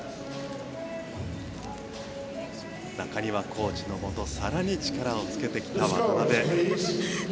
コーチのもと更に力をつけてきた渡辺。